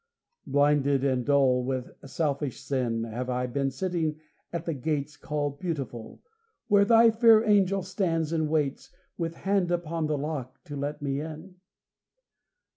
Blinded and dull With selfish sin, Have I been sitting at the gates Called Beautiful, Where Thy fair angel stands and waits, With hand upon the lock to let me in?